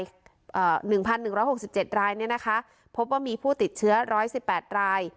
หนึ่งพันหนึ่งร้อยหกสิบเจ็ดรายเนี้ยนะคะพบว่ามีผู้ติดเชื้อร้อยสิบแปดราย